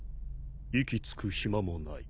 息つく暇もない。